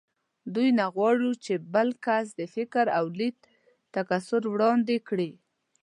دوی نه غواړ چې بل کس د فکر او لید تکثر وړاندې کړي